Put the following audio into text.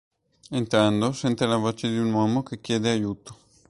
Entrando, sente la voce di un uomo che chiede aiuto.